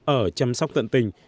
ở chăm sóc tận tình